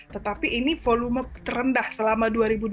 tetapi ini volume terendah selama dua ribu dua puluh